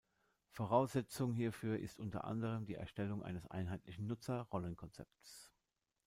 Voraussetzung hierfür ist unter anderem die Erstellung eines einheitlichen Nutzer-Rollenkonzepts.